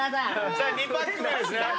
さあ２パック目ですね。